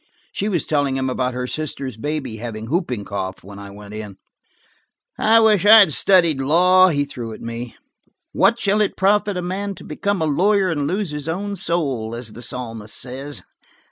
She was telling him about her sister's baby having whooping cough, when I went in. "I wish I had studied law," he threw at me. "'What shall it profit a man to become a lawyer and lose his own soul?' as the psalmist says.